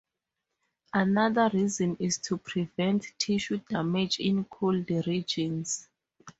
Another reason is to prevent tissue damage in cold regions.